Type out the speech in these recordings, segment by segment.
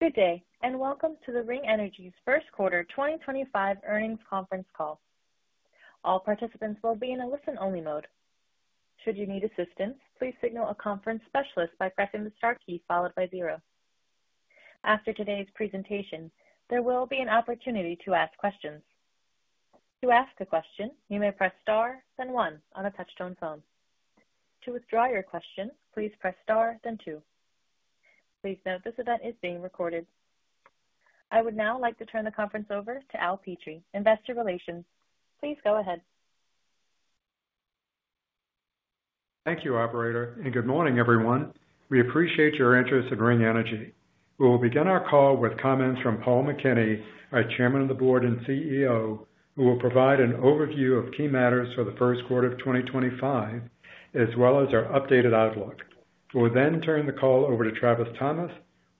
Good day, and welcome to the Ring Energy's first quarter 2025 earnings conference call. All participants will be in a listen-only mode. Should you need assistance, please signal a conference specialist by pressing the star key followed by zero. After today's presentation, there will be an opportunity to ask questions. To ask a question, you may press star, then one, on a touch-tone phone. To withdraw your question, please press star, then two. Please note this event is being recorded. I would now like to turn the conference over to Al Petrie, Investor Relations. Please go ahead. Thank you, Operator, and good morning, everyone. We appreciate your interest in Ring Energy. We will begin our call with comments from Paul McKinney, our Chairman of the Board and CEO, who will provide an overview of key matters for the first quarter of 2025, as well as our updated outlook. We will then turn the call over to Travis Thomas,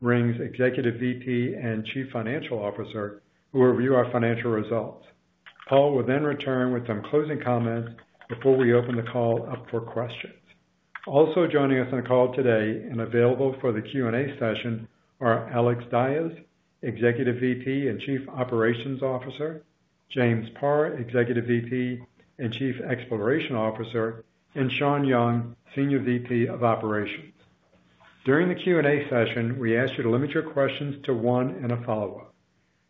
Ring's Executive VP and Chief Financial Officer, who will review our financial results. Paul will then return with some closing comments before we open the call up for questions. Also joining us on the call today and available for the Q&A session are Alex Dyes, Executive VP and Chief Operations Officer; James Parr, Executive VP and Chief Exploration Officer; and Shawn Young, Senior VP of Operations. During the Q&A session, we ask you to limit your questions to one and a follow-up.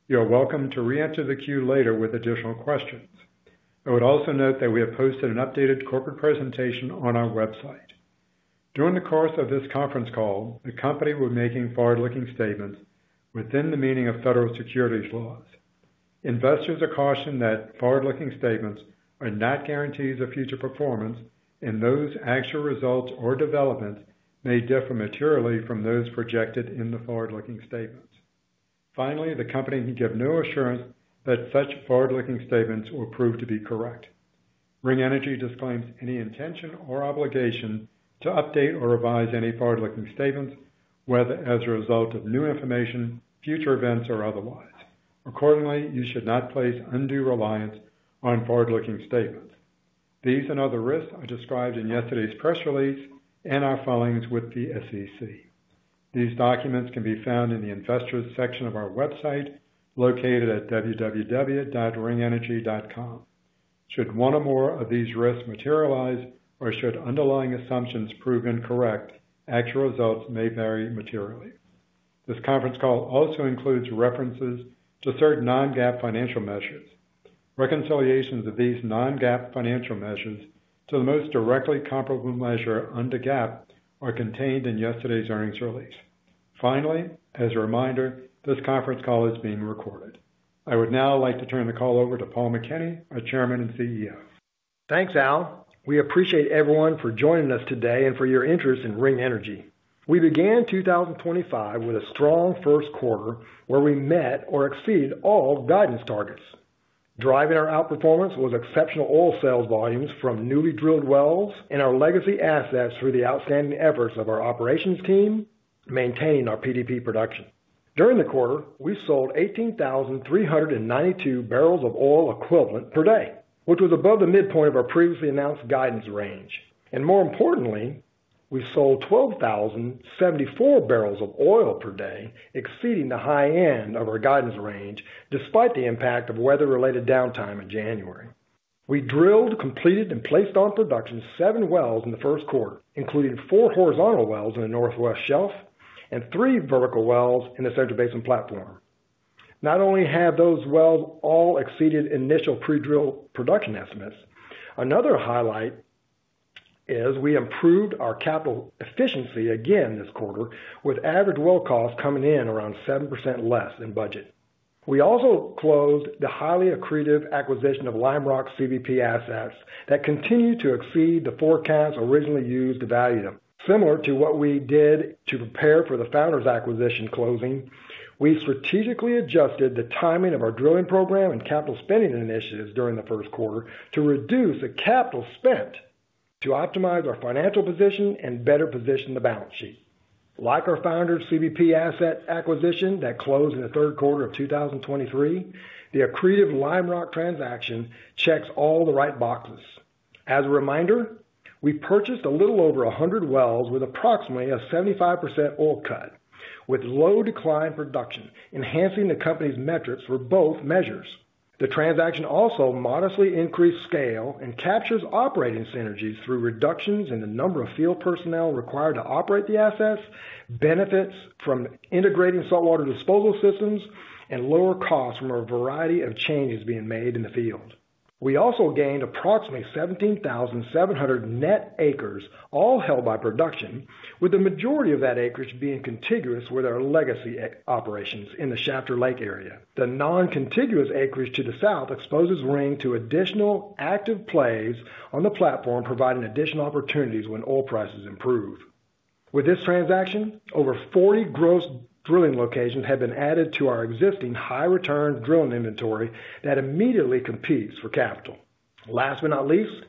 You are welcome to re-enter the queue later with additional questions. I would also note that we have posted an updated corporate presentation on our website. During the course of this conference call, the company will be making forward-looking statements within the meaning of federal securities laws. Investors are cautioned that forward-looking statements are not guarantees of future performance, and that actual results or developments may differ materially from those projected in the forward-looking statements. Finally, the company can give no assurance that such forward-looking statements will prove to be correct. Ring Energy disclaims any intention or obligation to update or revise any forward-looking statements, whether as a result of new information, future events, or otherwise. Accordingly, you should not place undue reliance on forward-looking statements. These and other risks are described in yesterday's press release and our filings with the SEC. These documents can be found in the Investors section of our website, located at www.ringenergy.com. Should one or more of these risks materialize, or should underlying assumptions prove incorrect, actual results may vary materially. This conference call also includes references to certain non-GAAP financial measures. Reconciliations of these non-GAAP financial measures to the most directly comparable measure under GAAP are contained in yesterday's earnings release. Finally, as a reminder, this conference call is being recorded. I would now like to turn the call over to Paul McKinney, our Chairman and CEO. Thanks, Al. We appreciate everyone for joining us today and for your interest in Ring Energy. We began 2025 with a strong first quarter where we met or exceeded all guidance targets. Driving our outperformance was exceptional oil sales volumes from newly drilled wells and our legacy assets through the outstanding efforts of our operations team maintaining our PDP production. During the quarter, we sold 18,392 barrels of oil equivalent per day, which was above the midpoint of our previously announced guidance range. More importantly, we sold 12,074 barrels of oil per day, exceeding the high end of our guidance range despite the impact of weather-related downtime in January. We drilled, completed, and placed on production seven wells in the first quarter, including four horizontal wells in the Northwest Shelf and three vertical wells in the Central Basin Platform. Not only have those wells all exceeded initial pre-drill production estimates, another highlight is we improved our capital efficiency again this quarter, with average well costs coming in around 7% less than budget. We also closed the highly accretive acquisition of Lime Rock Resources CBP assets that continue to exceed the forecasts originally used to value them. Similar to what we did to prepare for the Founders Oil & Gas acquisition closing, we strategically adjusted the timing of our drilling program and capital spending initiatives during the first quarter to reduce the capital spent to optimize our financial position and better position the balance sheet. Like our Founders CBP asset acquisition that closed in the third quarter of 2023, the accretive Lime Rock Resources transaction checks all the right boxes. As a reminder, we purchased a little over 100 wells with approximately a 75% oil cut, with low decline production, enhancing the company's metrics for both measures. The transaction also modestly increased scale and captures operating synergies through reductions in the number of field personnel required to operate the assets, benefits from integrating saltwater disposal systems, and lower costs from a variety of changes being made in the field. We also gained approximately 17,700 net acres, all held by production, with the majority of that acreage being contiguous with our legacy operations in the Shafter Lake area. The non-contiguous acreage to the south exposes Ring to additional active plays on the platform, providing additional opportunities when oil prices improve. With this transaction, over 40 gross drilling locations have been added to our existing high-return drilling inventory that immediately competes for capital. Last but not least,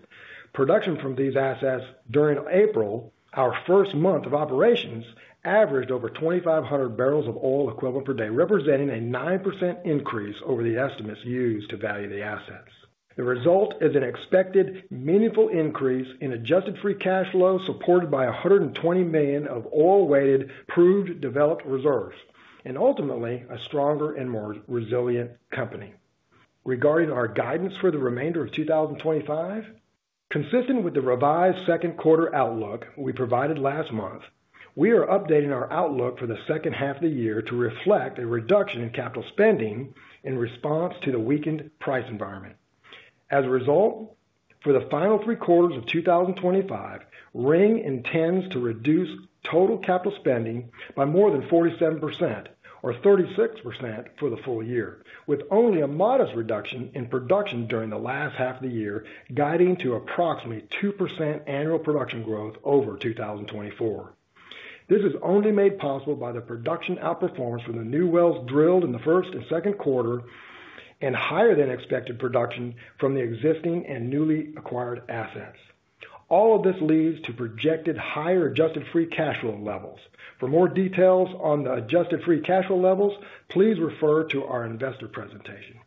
production from these assets during April, our first month of operations, averaged over 2,500 barrels of oil equivalent per day, representing a 9% increase over the estimates used to value the assets. The result is an expected meaningful increase in adjusted free cash flow supported by $120 million of oil-weighted proved developed reserves, and ultimately a stronger and more resilient company. Regarding our guidance for the remainder of 2025, consistent with the revised second quarter outlook we provided last month, we are updating our outlook for the second half of the year to reflect a reduction in capital spending in response to the weakened price environment. As a result, for the final three quarters of 2025, Ring intends to reduce total capital spending by more than 47%, or 36% for the full year, with only a modest reduction in production during the last half of the year, guiding to approximately 2% annual production growth over 2024. This is only made possible by the production outperformance from the new wells drilled in the first and second quarter and higher-than-expected production from the existing and newly acquired assets. All of this leads to projected higher adjusted free cash flow levels. For more details on the adjusted free cash flow levels, please refer to our investor presentation.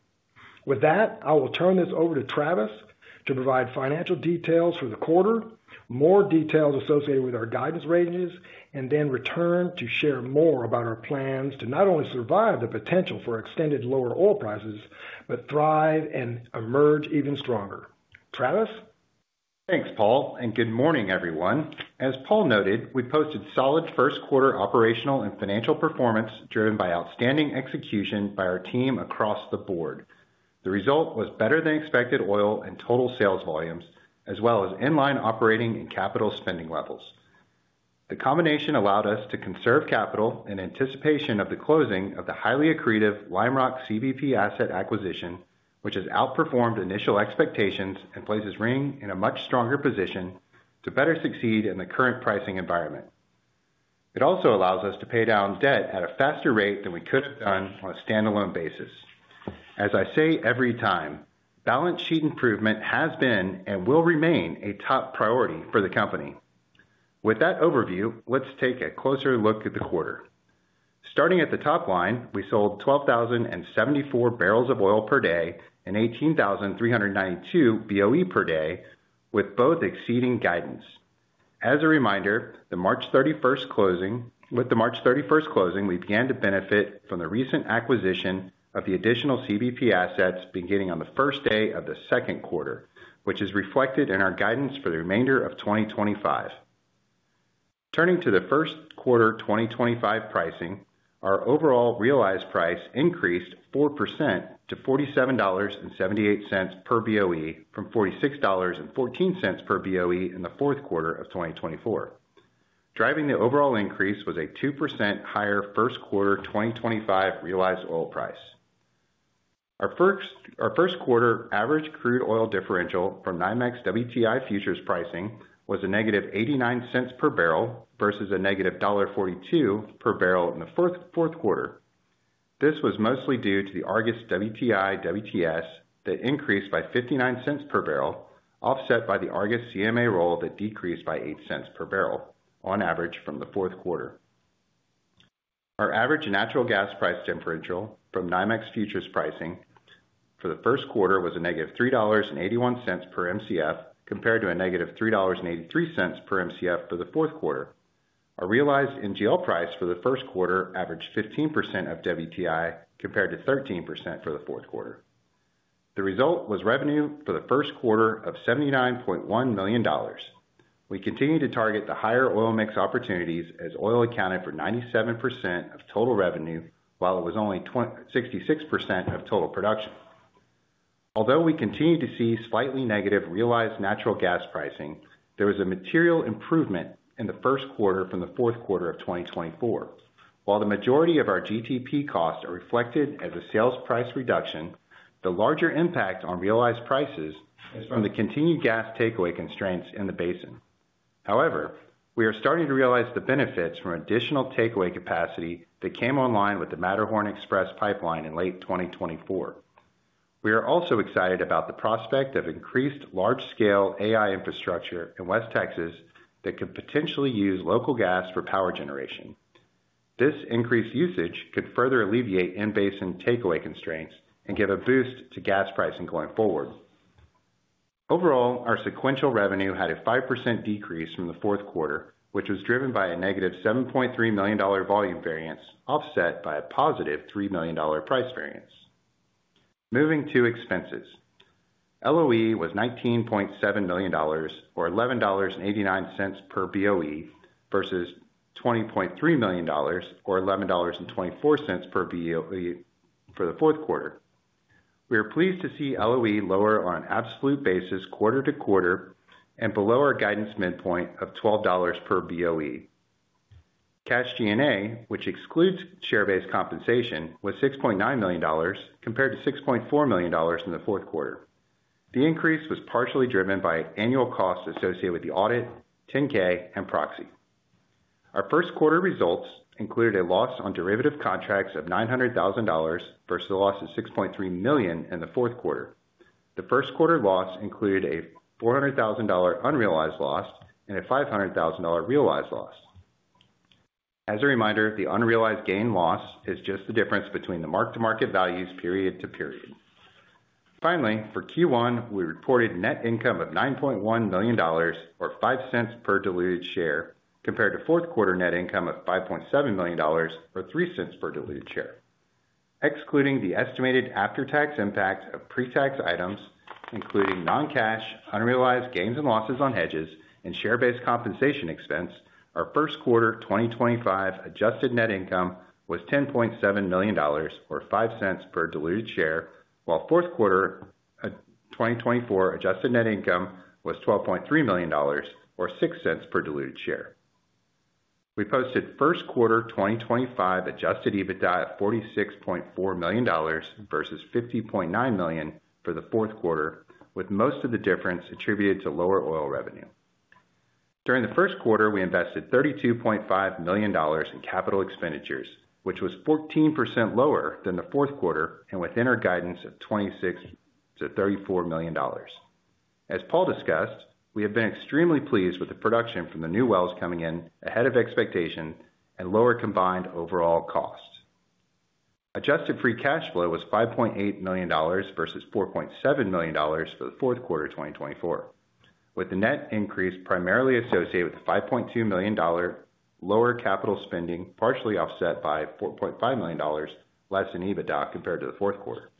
With that, I will turn this over to Travis to provide financial details for the quarter, more details associated with our guidance ranges, and then return to share more about our plans to not only survive the potential for extended lower oil prices, but thrive and emerge even stronger. Travis? Thanks, Paul, and good morning, everyone. As Paul noted, we posted solid first quarter operational and financial performance driven by outstanding execution by our team across the board. The result was better-than-expected oil and total sales volumes, as well as inline operating and capital spending levels. The combination allowed us to conserve capital in anticipation of the closing of the highly accretive Lime Rock Resources CBP asset acquisition, which has outperformed initial expectations and places Ring in a much stronger position to better succeed in the current pricing environment. It also allows us to pay down debt at a faster rate than we could have done on a standalone basis. As I say every time, balance sheet improvement has been and will remain a top priority for the company. With that overview, let's take a closer look at the quarter. Starting at the top line, we sold 12,074 barrels of oil per day and 18,392 BOE per day, with both exceeding guidance. As a reminder, with the March 31 closing, we began to benefit from the recent acquisition of the additional CBP assets beginning on the first day of the second quarter, which is reflected in our guidance for the remainder of 2025. Turning to the first quarter 2025 pricing, our overall realized price increased 4% to $47.78 per BOE from $46.14 per BOE in the fourth quarter of 2024. Driving the overall increase was a 2% higher first quarter 2025 realized oil price. Our first quarter average crude oil differential from NYMEX WTI futures pricing was a negative $0.89 per barrel versus a negative $1.42 per barrel in the fourth quarter. This was mostly due to the Argus WTI WTS that increased by $0.59 per barrel, offset by the Argus CMA roll that decreased by $0.08 per barrel on average from the fourth quarter. Our average natural gas price differential from NYMEX futures pricing for the first quarter was a negative $3.81 per MCF compared to a negative $3.83 per MCF for the fourth quarter. Our realized NGL price for the first quarter averaged 15% of WTI compared to 13% for the fourth quarter. The result was revenue for the first quarter of $79.1 million. We continued to target the higher oil mix opportunities as oil accounted for 97% of total revenue, while it was only 66% of total production. Although we continued to see slightly negative realized natural gas pricing, there was a material improvement in the first quarter from the fourth quarter of 2024. While the majority of our GTP costs are reflected as a sales price reduction, the larger impact on realized prices is from the continued gas takeaway constraints in the basin. However, we are starting to realize the benefits from additional takeaway capacity that came online with the Matterhorn Express Pipeline in late 2024. We are also excited about the prospect of increased large-scale AI infrastructure in West Texas that could potentially use local gas for power generation. This increased usage could further alleviate in-basin takeaway constraints and give a boost to gas pricing going forward. Overall, our sequential revenue had a 5% decrease from the fourth quarter, which was driven by a negative $7.3 million volume variance offset by a positive $3 million price variance. Moving to expenses, LOE was $19.7 million, or $11.89 per BOE, versus $20.3 million, or $11.24 per BOE for the fourth quarter. We are pleased to see LOE lower on an absolute basis quarter to quarter and below our guidance midpoint of $12 per BOE. Cash G&A, which excludes share-based compensation, was $6.9 million compared to $6.4 million in the fourth quarter. The increase was partially driven by annual costs associated with the audit, 10-K, and proxy. Our first quarter results included a loss on derivative contracts of $900,000 versus a loss of $6.3 million in the fourth quarter. The first quarter loss included a $400,000 unrealized loss and a $500,000 realized loss. As a reminder, the unrealized gain loss is just the difference between the mark-to-market values period to period. Finally, for Q1, we reported net income of $9.1 million, or $0.05 per diluted share, compared to fourth quarter net income of $5.7 million, or $0.03 per diluted share. Excluding the estimated after-tax impacts of pre-tax items, including non-cash, unrealized gains and losses on hedges, and share-based compensation expense, our first quarter 2025 adjusted net income was $10.7 million, or $0.05 per diluted share, while fourth quarter 2024 adjusted net income was $12.3 million, or $0.06 per diluted share. We posted first quarter 2025 adjusted EBITDA at $46.4 million versus $50.9 million for the fourth quarter, with most of the difference attributed to lower oil revenue. During the first quarter, we invested $32.5 million in capital expenditures, which was 14% lower than the fourth quarter and within our guidance of $26-$34 million. As Paul discussed, we have been extremely pleased with the production from the new wells coming in ahead of expectation and lower combined overall costs. Adjusted free cash flow was $5.8 million versus $4.7 million for the fourth quarter 2024, with the net increase primarily associated with the $5.2 million lower capital spending, partially offset by $4.5 million less in EBITDA compared to the fourth quarter.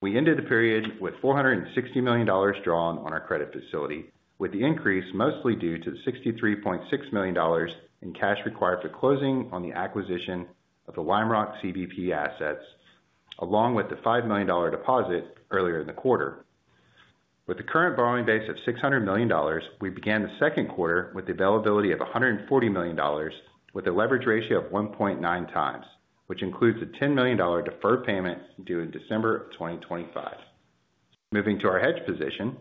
We ended the period with $460 million drawn on our credit facility, with the increase mostly due to the $63.6 million in cash required for closing on the acquisition of the Lime Rock Resources CBP assets, along with the $5 million deposit earlier in the quarter. With the current borrowing base of $600 million, we began the second quarter with the availability of $140 million, with a leverage ratio of 1.9 times, which includes a $10 million deferred payment due in December of 2025. Moving to our hedge position,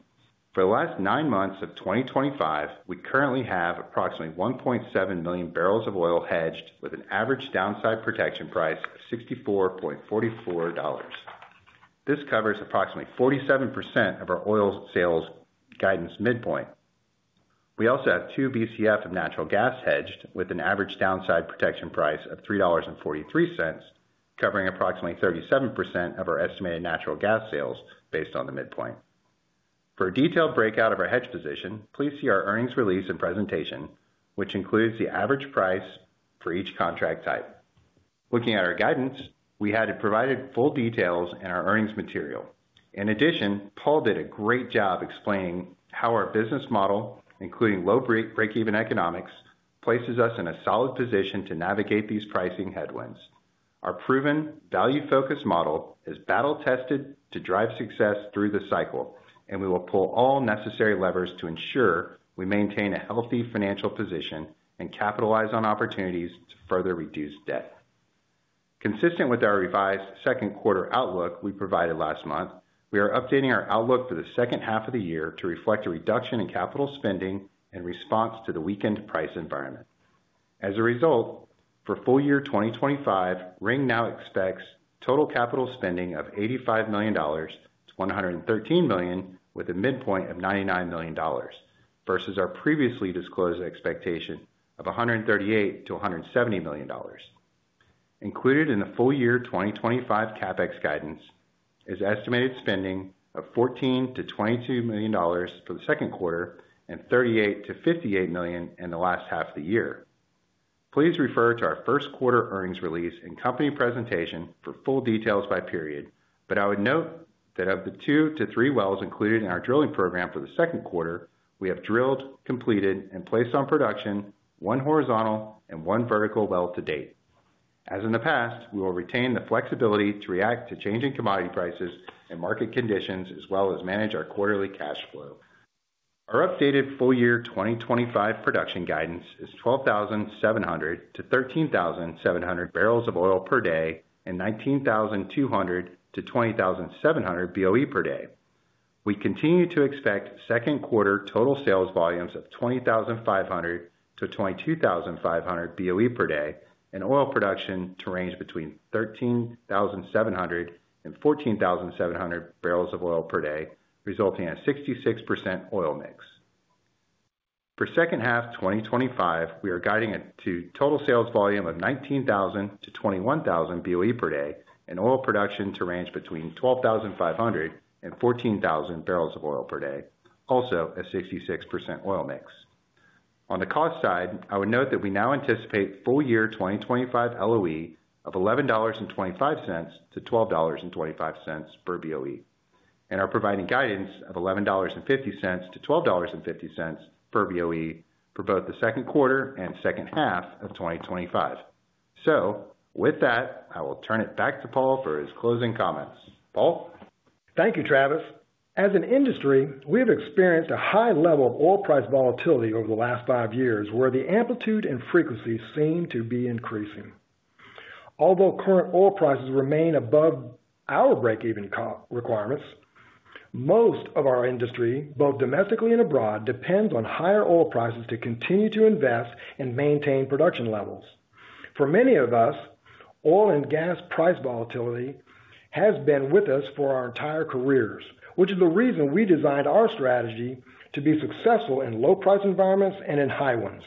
for the last nine months of 2025, we currently have approximately 1.7 million barrels of oil hedged with an average downside protection price of $64.44. This covers approximately 47% of our oil sales guidance midpoint. We also have 2 BCF of natural gas hedged with an average downside protection price of $3.43, covering approximately 37% of our estimated natural gas sales based on the midpoint. For a detailed breakout of our hedge position, please see our earnings release and presentation, which includes the average price for each contract type. Looking at our guidance, we had provided full details in our earnings material. In addition, Paul did a great job explaining how our business model, including low break-even economics, places us in a solid position to navigate these pricing headwinds. Our proven value-focused model is battle-tested to drive success through the cycle, and we will pull all necessary levers to ensure we maintain a healthy financial position and capitalize on opportunities to further reduce debt. Consistent with our revised second quarter outlook we provided last month, we are updating our outlook for the second half of the year to reflect a reduction in capital spending in response to the weakened price environment. As a result, for full year 2025, Ring now expects total capital spending of $85 million-$113 million, with a midpoint of $99 million versus our previously disclosed expectation of $138 million-$170 million. Included in the full year 2025 CapEx guidance is estimated spending of $14 million-$22 million for the second quarter and $38 million-$58 million in the last half of the year. Please refer to our first quarter earnings release and company presentation for full details by period, but I would note that of the two to three wells included in our drilling program for the second quarter, we have drilled, completed, and placed on production one horizontal and one vertical well to date. As in the past, we will retain the flexibility to react to changing commodity prices and market conditions, as well as manage our quarterly cash flow. Our updated full year 2025 production guidance is 12,700-13,700 barrels of oil per day and 19,200-20,700 BOE per day. We continue to expect second quarter total sales volumes of 20,500-22,500 BOE per day and oil production to range between 13,700 and 14,700 barrels of oil per day, resulting in a 66% oil mix. For second half 2025, we are guiding a total sales volume of 19,000-21,000 BOE per day and oil production to range between 12,500 and 14,000 barrels of oil per day, also a 66% oil mix. On the cost side, I would note that we now anticipate full year 2025 LOE of $11.25-$12.25 per BOE and are providing guidance of $11.50-$12.50 per BOE for both the second quarter and second half of 2025. With that, I will turn it back to Paul for his closing comments. Paul? Thank you, Travis. As an industry, we have experienced a high level of oil price volatility over the last five years, where the amplitude and frequency seem to be increasing. Although current oil prices remain above our break-even requirements, most of our industry, both domestically and abroad, depends on higher oil prices to continue to invest and maintain production levels. For many of us, oil and gas price volatility has been with us for our entire careers, which is the reason we designed our strategy to be successful in low-price environments and in high ones.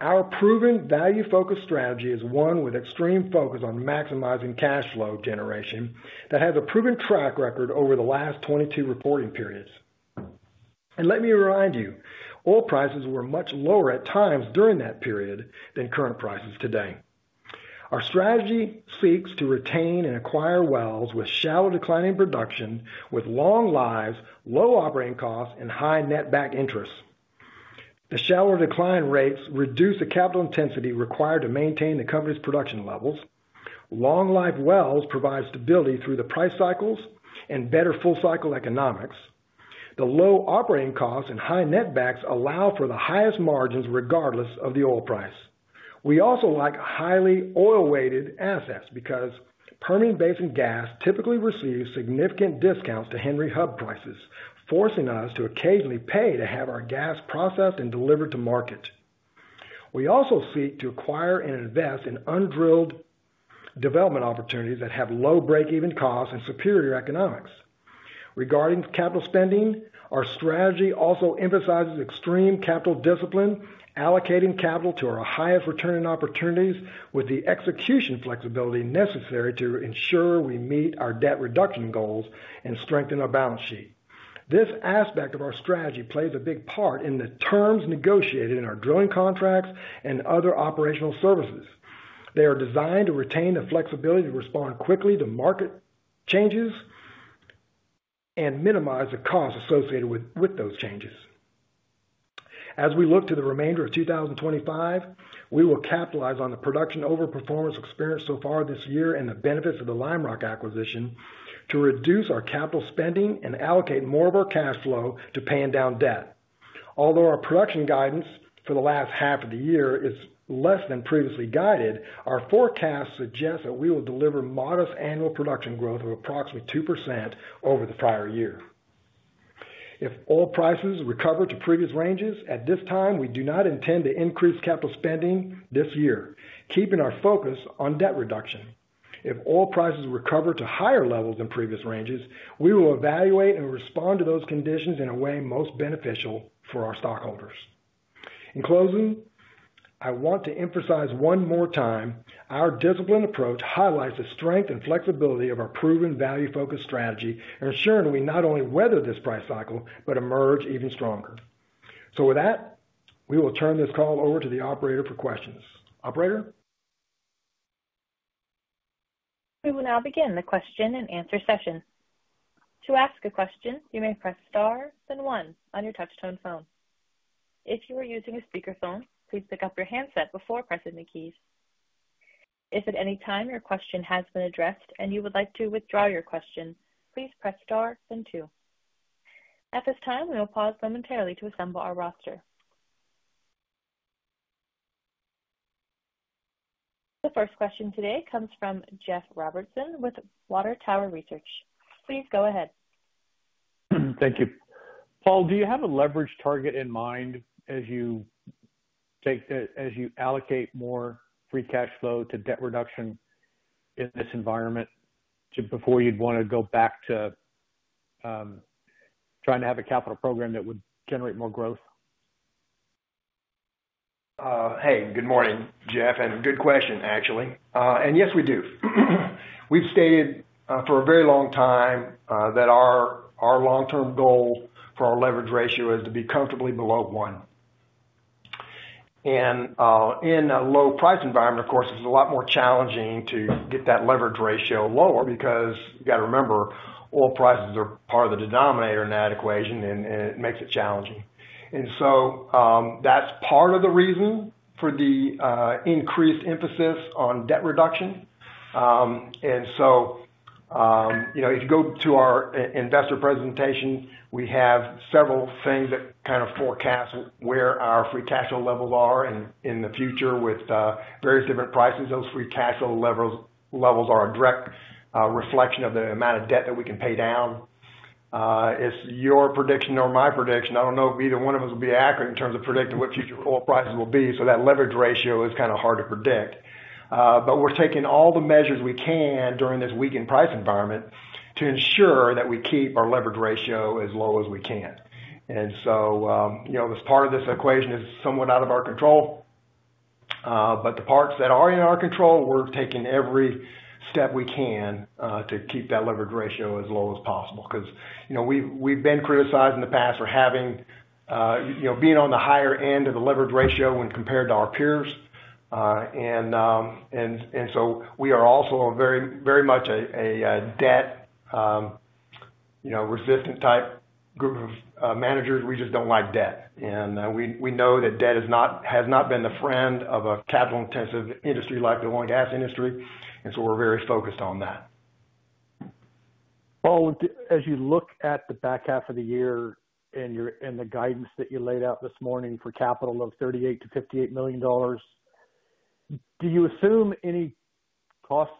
Our proven value-focused strategy is one with extreme focus on maximizing cash flow generation that has a proven track record over the last 22 reporting periods. Let me remind you, oil prices were much lower at times during that period than current prices today. Our strategy seeks to retain and acquire wells with shallow declining production, with long lives, low operating costs, and high net back interest. The shallow decline rates reduce the capital intensity required to maintain the company's production levels. Long life wells provide stability through the price cycles and better full-cycle economics. The low operating costs and high net backs allow for the highest margins regardless of the oil price. We also like highly oil-weighted assets because Permian Basin gas typically receives significant discounts to Henry Hub prices, forcing us to occasionally pay to have our gas processed and delivered to market. We also seek to acquire and invest in undrilled development opportunities that have low break-even costs and superior economics. Regarding capital spending, our strategy also emphasizes extreme capital discipline, allocating capital to our highest returning opportunities with the execution flexibility necessary to ensure we meet our debt reduction goals and strengthen our balance sheet. This aspect of our strategy plays a big part in the terms negotiated in our drilling contracts and other operational services. They are designed to retain the flexibility to respond quickly to market changes and minimize the costs associated with those changes. As we look to the remainder of 2025, we will capitalize on the production overperformance experienced so far this year and the benefits of the Lime Rock acquisition to reduce our capital spending and allocate more of our cash flow to paying down debt. Although our production guidance for the last half of the year is less than previously guided, our forecast suggests that we will deliver modest annual production growth of approximately 2% over the prior year. If oil prices recover to previous ranges, at this time, we do not intend to increase capital spending this year, keeping our focus on debt reduction. If oil prices recover to higher levels than previous ranges, we will evaluate and respond to those conditions in a way most beneficial for our stockholders. In closing, I want to emphasize one more time, our disciplined approach highlights the strength and flexibility of our proven value-focused strategy, ensuring we not only weather this price cycle but emerge even stronger. With that, we will turn this call over to the operator for questions. Operator? We will now begin the question and answer session. To ask a question, you may press star then one on your touch-tone phone. If you are using a speakerphone, please pick up your handset before pressing the keys. If at any time your question has been addressed and you would like to withdraw your question, please press star then two. At this time, we will pause momentarily to assemble our roster. The first question today comes from Jeff Robertson with Water Tower Research. Please go ahead. Thank you. Paul, do you have a leverage target in mind as you allocate more free cash flow to debt reduction in this environment before you'd want to go back to trying to have a capital program that would generate more growth? Hey, good morning, Jeff, and good question, actually. Yes, we do. We've stated for a very long time that our long-term goal for our leverage ratio is to be comfortably below one. In a low-price environment, of course, it's a lot more challenging to get that leverage ratio lower because you got to remember, oil prices are part of the denominator in that equation, and it makes it challenging. That is part of the reason for the increased emphasis on debt reduction. If you go to our investor presentation, we have several things that kind of forecast where our free cash flow levels are in the future with various different prices. Those free cash flow levels are a direct reflection of the amount of debt that we can pay down. It's your prediction or my prediction. I don't know if either one of us will be accurate in terms of predicting what future oil prices will be, so that leverage ratio is kind of hard to predict. We are taking all the measures we can during this weakened price environment to ensure that we keep our leverage ratio as low as we can. Part of this equation is somewhat out of our control, but the parts that are in our control, we are taking every step we can to keep that leverage ratio as low as possible because we have been criticized in the past for being on the higher end of the leverage ratio when compared to our peers. We are also very much a debt-resistant type group of managers. We just don't like debt. We know that debt has not been the friend of a capital-intensive industry like the oil and gas industry, and so we're very focused on that. Paul, as you look at the back half of the year and the guidance that you laid out this morning for capital of $38-$58 million, do you assume any cost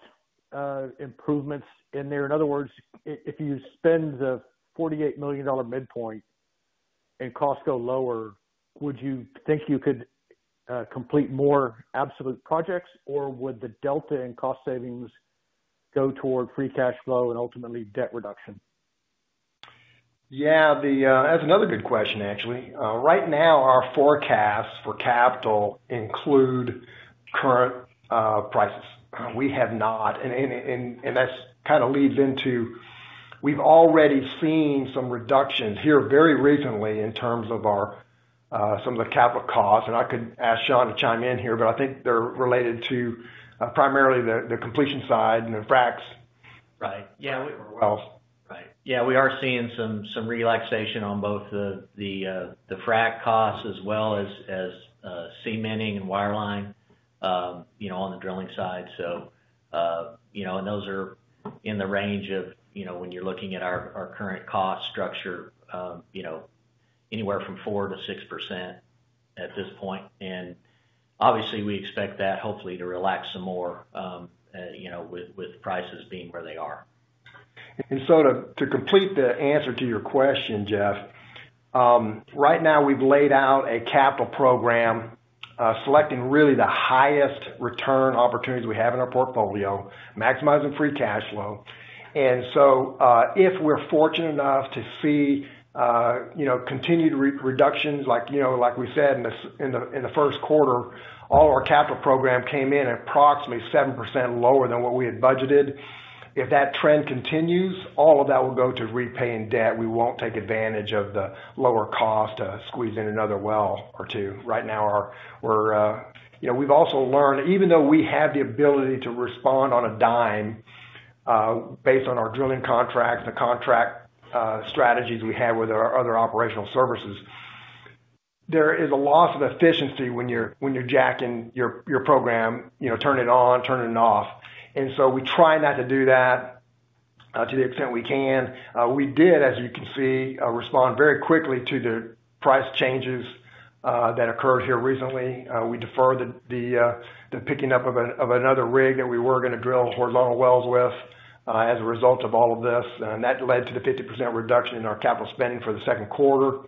improvements in there? In other words, if you spend the $48 million midpoint and costs go lower, would you think you could complete more absolute projects, or would the delta in cost savings go toward free cash flow and ultimately debt reduction? Yeah, that's another good question, actually. Right now, our forecasts for capital include current prices. We have not, and that kind of leads into we've already seen some reductions here very recently in terms of some of the capital costs. I could ask Shawn to chime in here, but I think they're related to primarily the completion side and the fracs. Right. Yeah, we are. Yeah, we are seeing some relaxation on both the frac costs as well as cementing and wireline on the drilling side. Those are in the range of, when you're looking at our current cost structure, anywhere from 4-6% at this point. Obviously, we expect that hopefully to relax some more with prices being where they are. To complete the answer to your question, Jeff, right now, we've laid out a capital program selecting really the highest return opportunities we have in our portfolio, maximizing free cash flow. If we're fortunate enough to see continued reductions, like we said in the first quarter, all of our capital program came in at approximately 7% lower than what we had budgeted. If that trend continues, all of that will go to repaying debt. We will not take advantage of the lower cost to squeeze in another well or two. Right now, we have also learned, even though we have the ability to respond on a dime based on our drilling contracts and the contract strategies we have with our other operational services, there is a loss of efficiency when you are jacking your program, turning it on, turning it off. We try not to do that to the extent we can. We did, as you can see, respond very quickly to the price changes that occurred here recently. We deferred the picking up of another rig that we were going to drill horizontal wells with as a result of all of this, and that led to the 50% reduction in our capital spending for the second quarter.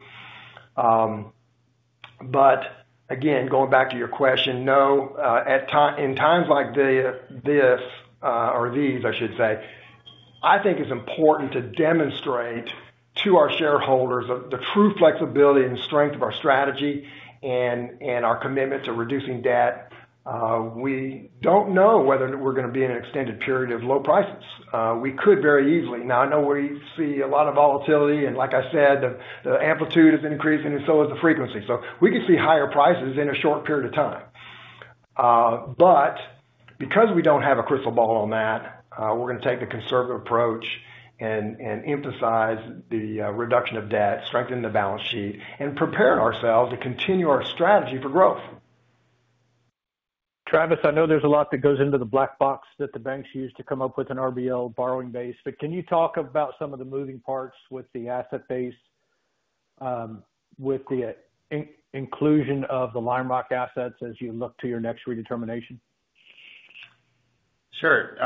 Again, going back to your question, no, in times like this or these, I should say, I think it's important to demonstrate to our shareholders the true flexibility and strength of our strategy and our commitment to reducing debt. We don't know whether we're going to be in an extended period of low prices. We could very easily. Now, I know we see a lot of volatility, and like I said, the amplitude is increasing, and so is the frequency. We could see higher prices in a short period of time. Because we don't have a crystal ball on that, we're going to take the conservative approach and emphasize the reduction of debt, strengthen the balance sheet, and prepare ourselves to continue our strategy for growth. Travis, I know there's a lot that goes into the black box that the banks use to come up with an RBL borrowing base, but can you talk about some of the moving parts with the asset base, with the inclusion of the Lime Rock assets as you look to your next redetermination? Sure.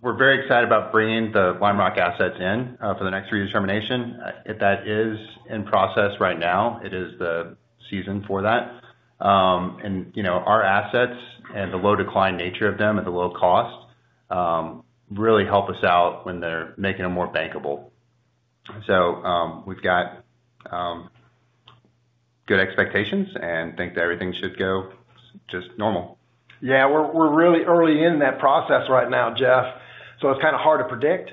We're very excited about bringing the Lime Rock assets in for the next redetermination. That is in process right now. It is the season for that. Our assets and the low decline nature of them and the low cost really help us out when they're making them more bankable. We have good expectations and think that everything should go just normal. Yeah, we're really early in that process right now, Jeff, so it's kind of hard to predict.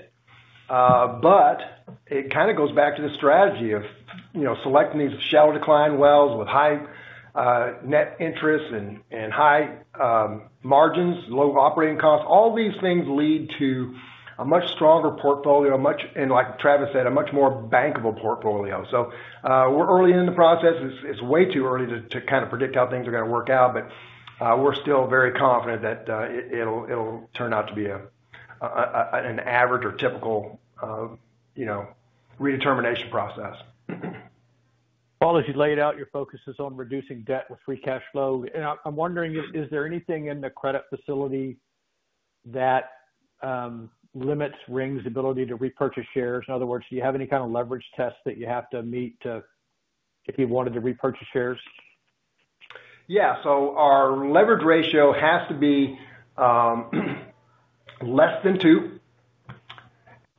It kind of goes back to the strategy of selecting these shallow decline wells with high net interest and high margins, low operating costs. All these things lead to a much stronger portfolio and, like Travis said, a much more bankable portfolio. We're early in the process. It's way too early to kind of predict how things are going to work out, but we're still very confident that it'll turn out to be an average or typical redetermination process. Paul, as you laid out, your focus is on reducing debt with free cash flow. I am wondering, is there anything in the credit facility that limits Ring's ability to repurchase shares? In other words, do you have any kind of leverage tests that you have to meet if you wanted to repurchase shares? Yeah. So our leverage ratio has to be less than two,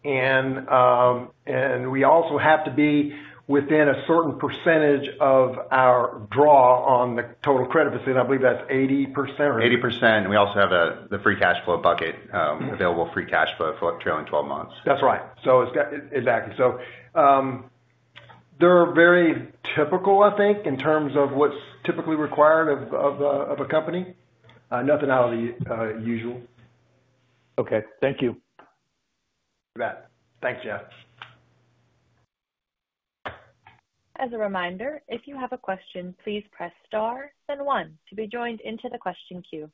and we also have to be within a certain percentage of our draw on the total credit facility. I believe that's 80% or. 80%. We also have the free cash flow bucket, available free cash flow for trailing 12 months. That's right. Exactly. They're very typical, I think, in terms of what's typically required of a company. Nothing out of the usual. Okay. Thank you. Thanks, Jeff. As a reminder, if you have a question, please press star then one to be joined into the question queue.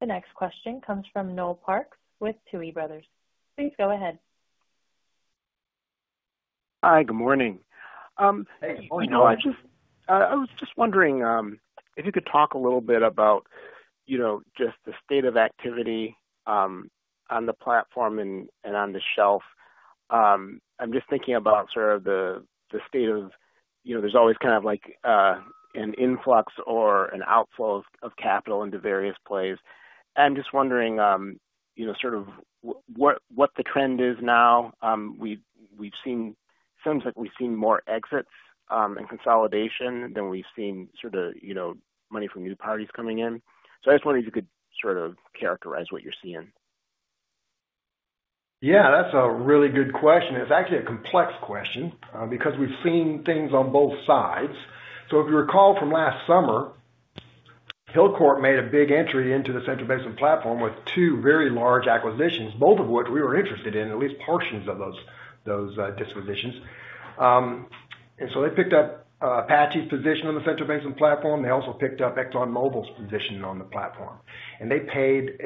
The next question comes from Noel Parks with Tuohy Brothers. Please go ahead. Hi, good morning. Hey, good morning, Noel. I was just wondering if you could talk a little bit about just the state of activity on the platform and on the shelf. I'm just thinking about sort of the state of there's always kind of like an influx or an outflow of capital into various plays. I'm just wondering sort of what the trend is now. It sounds like we've seen more exits and consolidation than we've seen sort of money from new parties coming in. I just wonder if you could sort of characterize what you're seeing. Yeah, that's a really good question. It's actually a complex question because we've seen things on both sides. If you recall from last summer, Hilcorp made a big entry into the Central Basin Platform with two very large acquisitions, both of which we were interested in, at least portions of those dispositions. They picked up Apache's position on the Central Basin Platform. They also picked up ExxonMobil's position on the platform. They paid,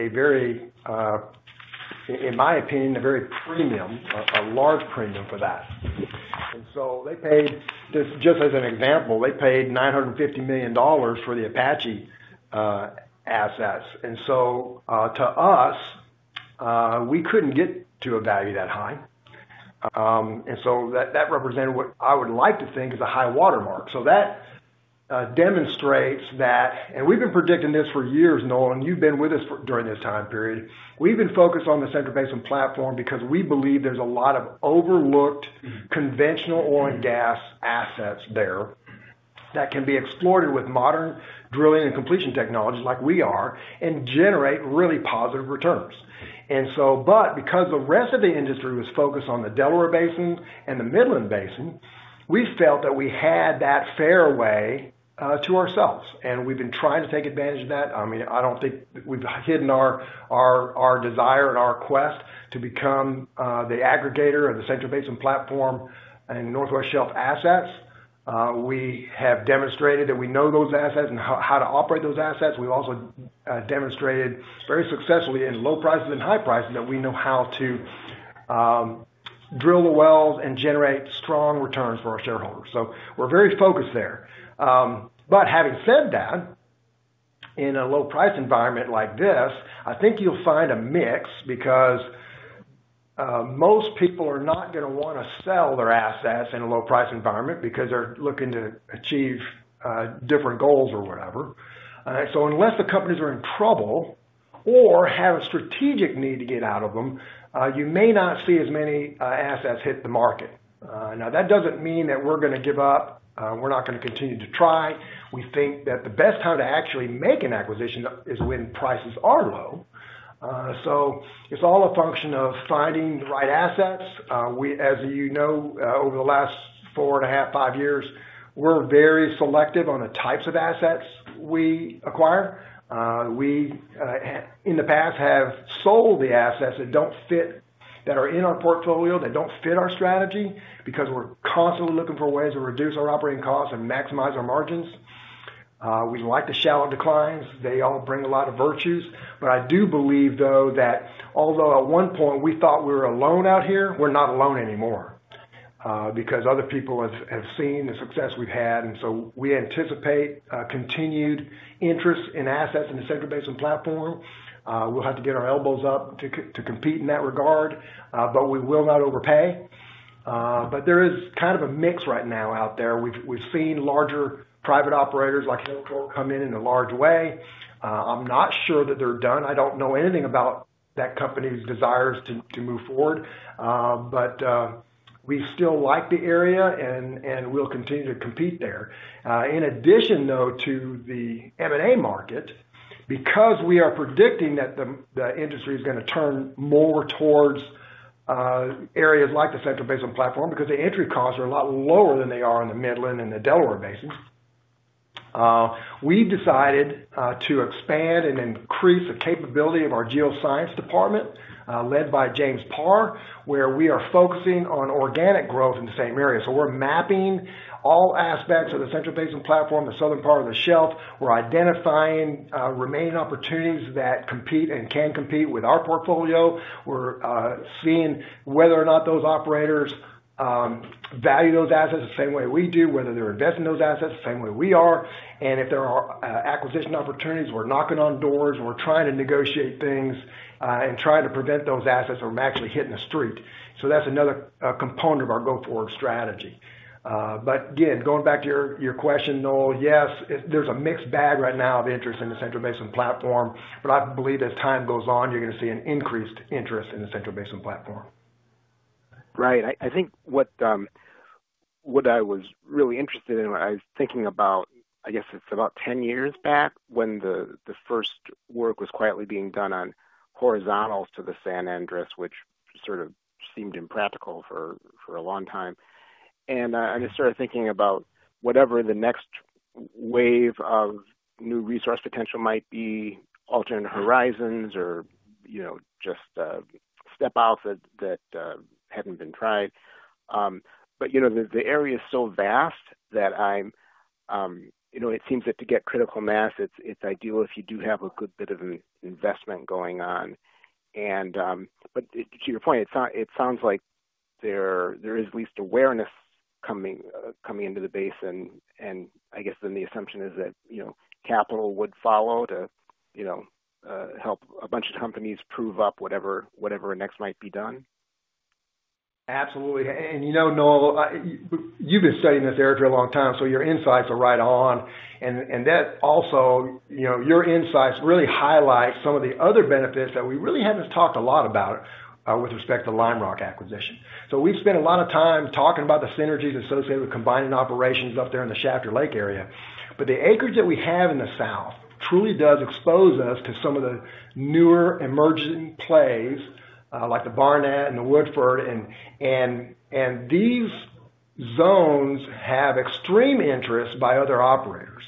in my opinion, a very premium, a large premium for that. They paid, just as an example, $950 million for the Apache assets. To us, we couldn't get to a value that high. That represented what I would like to think is a high watermark. That demonstrates that, and we've been predicting this for years, Noel, and you've been with us during this time period. We've been focused on the Central Basin Platform because we believe there's a lot of overlooked conventional oil and gas assets there that can be exploited with modern drilling and completion technologies like we are and generate really positive returns. Because the rest of the industry was focused on the Delaware Basin and the Midland Basin, we felt that we had that fairway to ourselves. We've been trying to take advantage of that. I mean, I don't think we've hidden our desire and our quest to become the aggregator of the Central Basin Platform and Northwest Shelf assets. We have demonstrated that we know those assets and how to operate those assets. We've also demonstrated very successfully in low prices and high prices that we know how to drill the wells and generate strong returns for our shareholders. We are very focused there. Having said that, in a low-price environment like this, I think you'll find a mix because most people are not going to want to sell their assets in a low-price environment because they're looking to achieve different goals or whatever. Unless the companies are in trouble or have a strategic need to get out of them, you may not see as many assets hit the market. That does not mean that we're going to give up. We're not going to continue to try. We think that the best time to actually make an acquisition is when prices are low. It is all a function of finding the right assets. As you know, over the last four and a half, five years, we're very selective on the types of assets we acquire. We, in the past, have sold the assets that don't fit, that are in our portfolio, that don't fit our strategy because we're constantly looking for ways to reduce our operating costs and maximize our margins. We like the shallow declines. They all bring a lot of virtues. I do believe, though, that although at one point we thought we were alone out here, we're not alone anymore because other people have seen the success we've had. We anticipate continued interest in assets in the Central Basin Platform. We'll have to get our elbows up to compete in that regard, but we will not overpay. There is kind of a mix right now out there. We've seen larger private operators like Hilcorp come in in a large way. I'm not sure that they're done. I don't know anything about that company's desires to move forward, but we still like the area and we'll continue to compete there. In addition, though, to the M&A market, because we are predicting that the industry is going to turn more towards areas like the Central Basin Platform because the entry costs are a lot lower than they are in the Midland and the Delaware Basin, we decided to expand and increase the capability of our geoscience department led by James Parr, where we are focusing on organic growth in the same area. We're mapping all aspects of the Central Basin Platform, the southern part of the shelf. We're identifying remaining opportunities that compete and can compete with our portfolio. We're seeing whether or not those operators value those assets the same way we do, whether they're investing in those assets the same way we are. If there are acquisition opportunities, we're knocking on doors. We're trying to negotiate things and trying to prevent those assets from actually hitting the street. That's another component of our go-forward strategy. Again, going back to your question, Noel, yes, there's a mixed bag right now of interest in the Central Basin Platform, but I believe as time goes on, you're going to see an increased interest in the Central Basin Platform. Right. I think what I was really interested in, I was thinking about, I guess it's about 10 years back when the first work was quietly being done on horizontals to the San Andreas, which sort of seemed impractical for a long time. I just started thinking about whatever the next wave of new resource potential might be, alternate horizons or just step out that hadn't been tried. The area is so vast that it seems that to get critical mass, it's ideal if you do have a good bit of investment going on. To your point, it sounds like there is at least awareness coming into the basin. I guess then the assumption is that capital would follow to help a bunch of companies prove up whatever next might be done. Absolutely. You know, Noel, you have been studying this area for a long time, so your insights are right on. Your insights really highlight some of the other benefits that we really have not talked a lot about with respect to the Lime Rock acquisition. We spent a lot of time talking about the synergies associated with combining operations up there in the Shafter Lake area. The acreage that we have in the south truly does expose us to some of the newer emerging plays like the Barnett and the Woodford. These zones have extreme interest by other operators.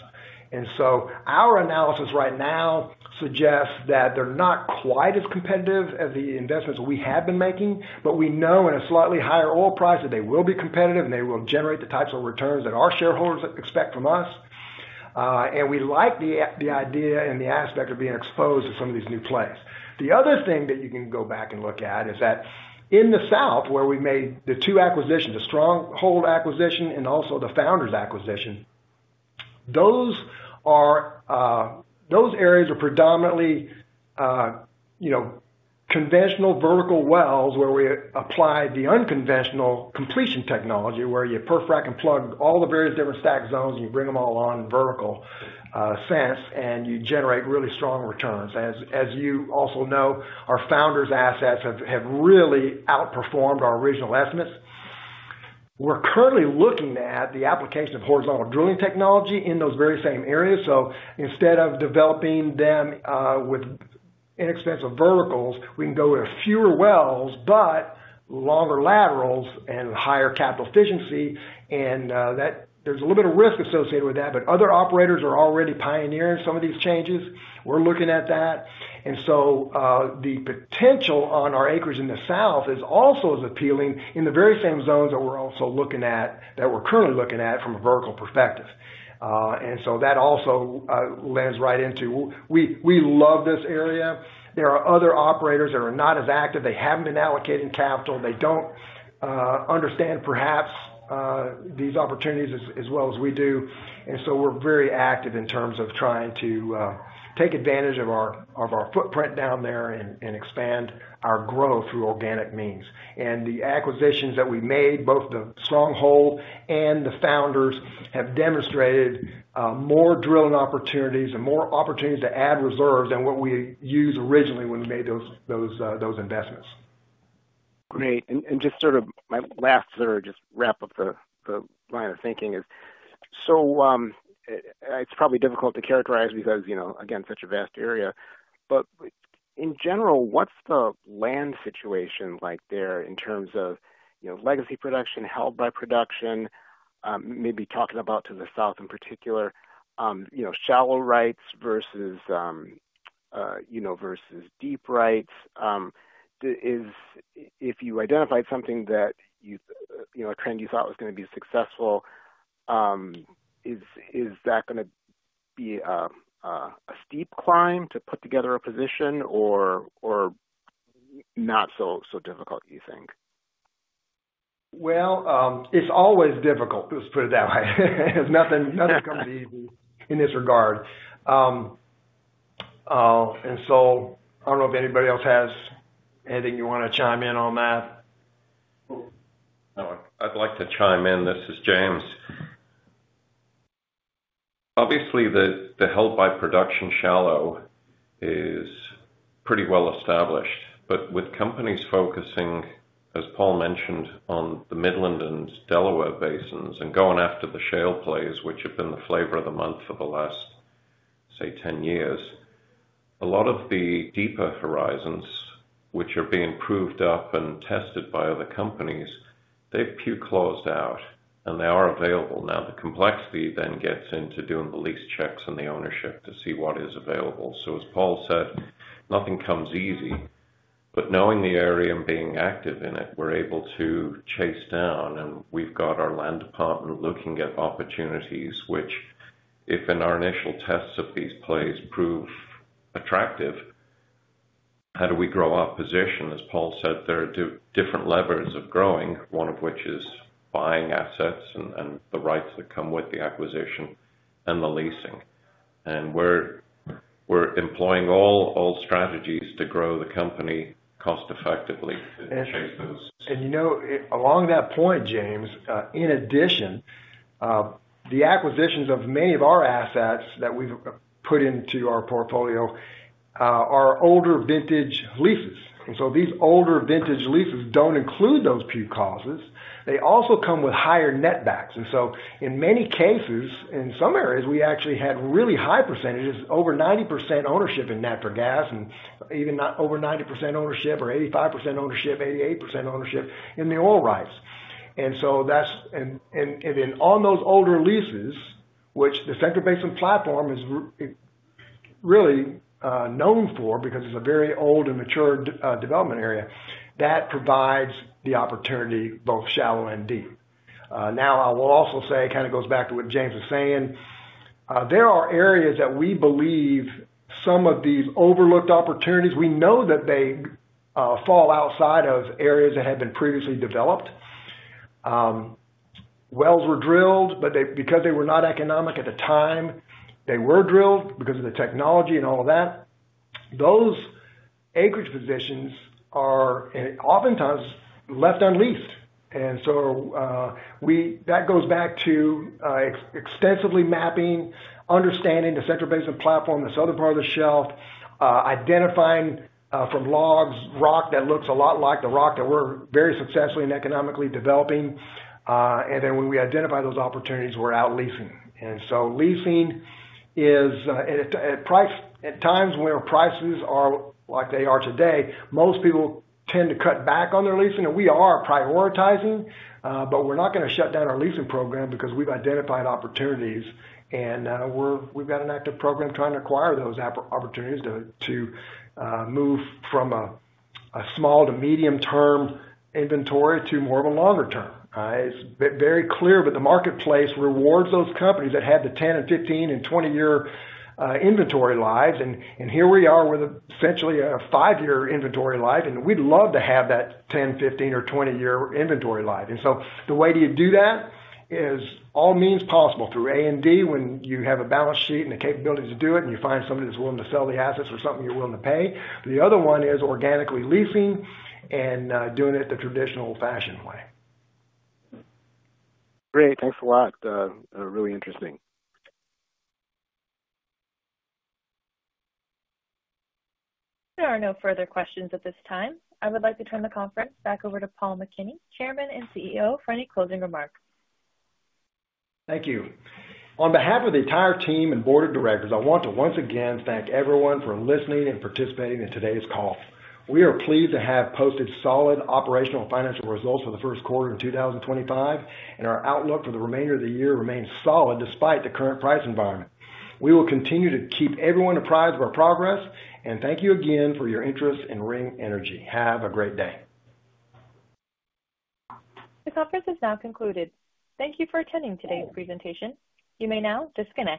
Our analysis right now suggests that they're not quite as competitive as the investments we have been making, but we know in a slightly higher oil price that they will be competitive and they will generate the types of returns that our shareholders expect from us. We like the idea and the aspect of being exposed to some of these new plays. The other thing that you can go back and look at is that in the south, where we made the two acquisitions, the Stronghold acquisition and also the Founders acquisition, those areas are predominantly conventional vertical wells where we applied the unconventional completion technology where you perfect and plug all the various different stack zones and you bring them all on vertical fence and you generate really strong returns. As you also know, our Founders assets have really outperformed our original estimates. We're currently looking at the application of horizontal drilling technology in those very same areas. Instead of developing them with inexpensive verticals, we can go with fewer wells but longer laterals and higher capital efficiency. There's a little bit of risk associated with that, but other operators are already pioneering some of these changes. We're looking at that. The potential on our acreage in the south is also as appealing in the very same zones that we're currently looking at from a vertical perspective. That also lands right into we love this area. There are other operators that are not as active. They haven't been allocating capital. They don't understand perhaps these opportunities as well as we do. We are very active in terms of trying to take advantage of our footprint down there and expand our growth through organic means. The acquisitions that we made, both the Stronghold and the Founders, have demonstrated more drilling opportunities and more opportunities to add reserves than what we used originally when we made those investments. Great. Just sort of my last sort of just wrap up the line of thinking is, it's probably difficult to characterize because, again, such a vast area. In general, what's the land situation like there in terms of legacy production held by production, maybe talking about to the south in particular, shallow rights versus deep rights? If you identified something that you, a trend you thought was going to be successful, is that going to be a steep climb to put together a position or not so difficult, you think? It is always difficult, let's put it that way. Nothing comes easy in this regard. I do not know if anybody else has anything you want to chime in on that. I'd like to chime in. This is James. Obviously, the held-by-production shallow is pretty well established. With companies focusing, as Paul mentioned, on the Midland and Delaware basins and going after the shale plays, which have been the flavor of the month for the last, say, 10 years, a lot of the deeper horizons, which are being proved up and tested by other companies, they've puked, closed out, and they are available. The complexity then gets into doing the lease checks and the ownership to see what is available. As Paul said, nothing comes easy. Knowing the area and being active in it, we're able to chase down. We've got our land department looking at opportunities, which, if in our initial tests of these plays prove attractive, how do we grow our position? As Paul said, there are different levers of growing, one of which is buying assets and the rights that come with the acquisition and the leasing. We're employing all strategies to grow the company cost-effectively. You know, along that point, James, in addition, the acquisitions of many of our assets that we have put into our portfolio are older vintage leases. These older vintage leases do not include those puke costs. They also come with higher net backs. In many cases, in some areas, we actually had really high percentages, over 90% ownership in natural gas and even over 90% ownership or 85% ownership, 88% ownership in the oil rights. That is on those older leases, which the Central Basin Platform is really known for because it is a very old and mature development area that provides the opportunity both shallow and deep. I will also say, it kind of goes back to what James is saying. There are areas that we believe some of these overlooked opportunities, we know that they fall outside of areas that had been previously developed. Wells were drilled, but because they were not economic at the time, they were drilled because of the technology and all of that. Those acreage positions are oftentimes left unleased. That goes back to extensively mapping, understanding the Central Basin Platform, the southern part of the shelf, identifying from logs, rock that looks a lot like the rock that we're very successfully and economically developing. When we identify those opportunities, we're out leasing. Leasing is at times when prices are like they are today, most people tend to cut back on their leasing. We are prioritizing, but we're not going to shut down our leasing program because we've identified opportunities. We've got an active program trying to acquire those opportunities to move from a small to medium-term inventory to more of a longer term. It's very clear, but the marketplace rewards those companies that had the 10 and 15 and 20-year inventory lives. Here we are with essentially a five-year inventory life. We'd love to have that 10, 15, or 20-year inventory life. The way to do that is all means possible through A and D when you have a balance sheet and the capability to do it and you find somebody that's willing to sell the assets or something you're willing to pay. The other one is organically leasing and doing it the traditional fashion way. Great. Thanks a lot. Really interesting. There are no further questions at this time. I would like to turn the conference back over to Paul McKinney, Chairman and CEO, for any closing remarks. Thank you. On behalf of the entire team and Board of Directors, I want to once again thank everyone for listening and participating in today's call. We are pleased to have posted solid operational financial results for the first quarter in 2025, and our outlook for the remainder of the year remains solid despite the current price environment. We will continue to keep everyone apprised of our progress. Thank you again for your interest in Ring Energy. Have a great day. The conference is now concluded. Thank you for attending today's presentation. You may now disconnect.